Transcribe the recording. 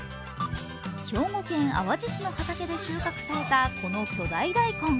兵庫県淡路市の畑で収穫されたこの巨大大根。